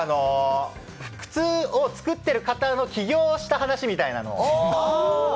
靴を作ってる方の起業した話みたいなの。